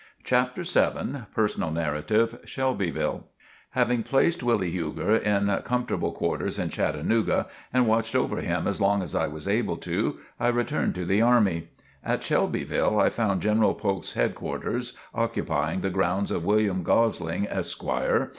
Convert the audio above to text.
CHAPTER VII PERSONAL NARRATIVE SHELBYVILLE Having placed Willie Huger in comfortable quarters in Chattanooga and watched over him as long as I was able to, I returned to the army. At Shelbyville, I found General Polk's headquarters occupying the grounds of William Gosling, Esquire.